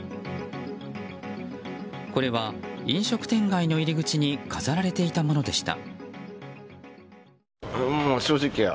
これは、飲食店街の入り口に飾られていたものでした。